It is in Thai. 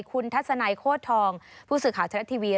คุณทัศนัยโคตรทองผู้สื่อข่าวไทยรัฐทีวี